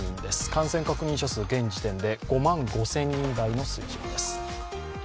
感染確認者数５万５０００人台の水準です。